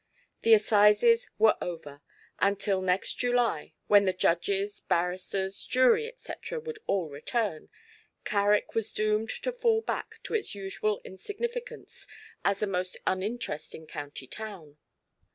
The assizes were over; and till next July when the judges, barristers, jury, &c., would all return, Carrick was doomed to fall back to its usual insignificance as a most uninteresting county town.